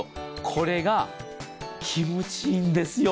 これが気持ちいいんですよ。